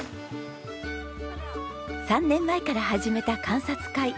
３年前から始めた観察会。